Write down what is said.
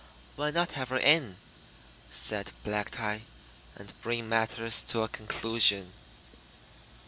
"Why not have her in," said Black Tie, "and bring matters to a conclusion?"